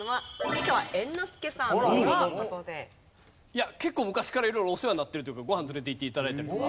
いや結構昔から色々お世話になってるというかご飯連れていって頂いたりとか。